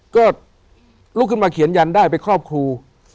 ก็ลุกขึ้นมาเขียนยันได้ไปครอบครู